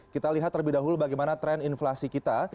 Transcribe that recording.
kita lihat terlebih dahulu bagaimana tren inflasi kita